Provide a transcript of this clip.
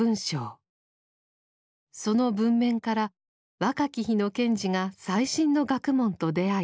その文面から若き日の賢治が最新の学問と出会い